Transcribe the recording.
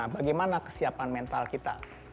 bagaimana kesiapan mental kita